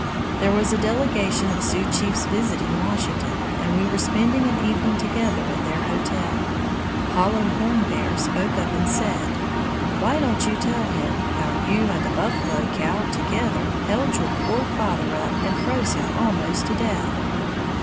There was a delegation of Sioux chiefs visiting Washington, and we were spending an evening together in their hotel. Hollow Horn Bear spoke up and said: "Why don't you tell him how you and a buffalo cow together held your poor father up and froze him almost to death?"